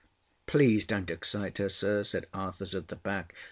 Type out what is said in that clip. "Please don't excite her, sir," said Arthurs at the back.